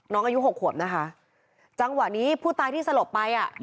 อายุหกขวบนะคะจังหวะนี้ผู้ตายที่สลบไปอ่ะ